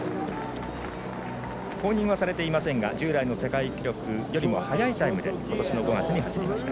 公認はされていませんが従来の世界記録よりも速いタイムで今年の５月に走りました。